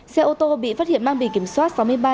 xe ô tô bị phát hiện mang bì kiểm soát sáu mươi ba c một b